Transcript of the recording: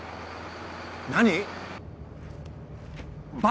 何⁉